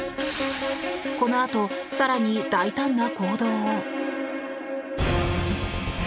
このあと、更に大胆な行動を。